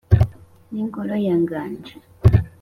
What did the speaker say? n’ingoro yaganje